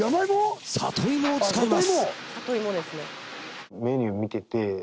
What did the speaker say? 里芋を使います。